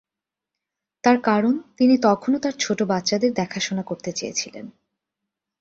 তার কারণ তিনি তখনও তার ছোট বাচ্চাদের দেখাশোনা করতে চেয়েছিলেন।